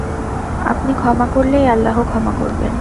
আপনি ক্ষমা করলেই আল্লাহ ক্ষমা করবেন।